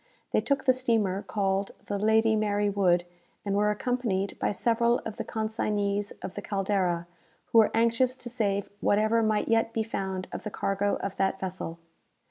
They took the steamer called the 'Lady Mary Wood,' and were accompanied by several of the consignees of the 'Caldera,' who were anxious to save whatever might yet be found of the cargo of that vessel.